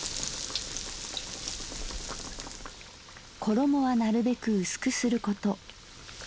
「ころもはなるべく薄くすること。